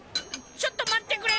ちょっと待ってくれ！